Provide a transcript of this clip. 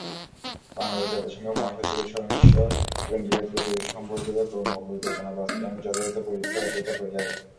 বাংলাদেশ জাতিসংঘ মহাসচিবের সহিংস জঙ্গিবাদ প্রতিরোধ-সম্পর্কিত কর্মপরিকল্পনার বাস্তবায়নে যথাযথ সহযোগিতা করে যাবে।